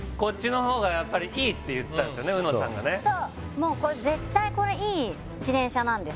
もうこれ絶対これいい自転車なんです